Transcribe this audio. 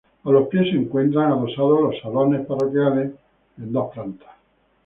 A los pies se encuentran adosados los salones parroquiales en dos plantas.